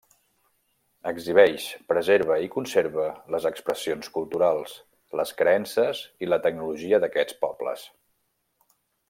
Exhibeix, preserva i conserva les expressions culturals, les creences i la tecnologia d'aquests pobles.